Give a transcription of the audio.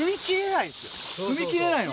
踏み切れないの？